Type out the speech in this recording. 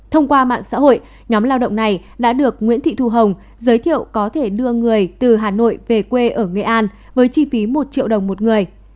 thông qua mạng xã hội nhóm lao động này đã được nguyễn thị thu hồng giới thiệu có thể đưa người từ hà nội về quê ở nghệ an với chi phí một triệu đồng một người